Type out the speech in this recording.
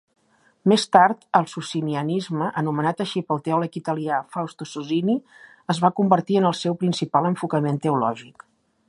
Més tard, el Socinianisme, anomenat així pel teòleg italià Fausto Sozzini, es va convertir en el seu principal enfocament teològic.